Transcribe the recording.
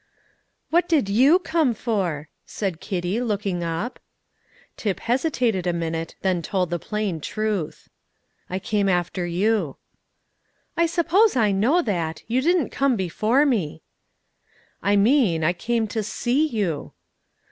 "What did you come for?" said Kitty, looking up. Tip hesitated a minute, then told the plain truth. "I came after you." "I suppose I know that: you didn't come before me." "I mean I came to see you."